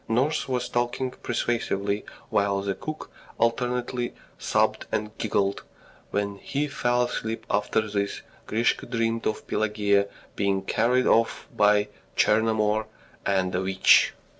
Nurse was talking persuasively, while the cook alternately sobbed and giggled. When he fell asleep after this, Grisha dreamed of Pelageya being carried off by Tchernomor and a witch.